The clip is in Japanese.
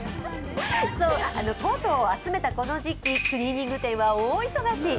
コートを集めたこの時期、クリーニング店は大忙し。